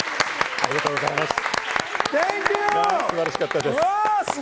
ありがとうございます。